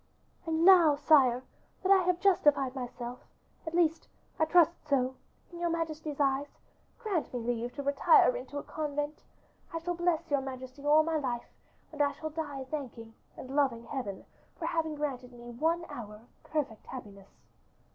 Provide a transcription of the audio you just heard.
"And now, sire, that I have justified myself, at least I trust so, in your majesty's eyes, grant me leave to retire into a convent. I shall bless your majesty all my life, and I shall die thanking and loving Heaven for having granted me one hour of perfect happiness."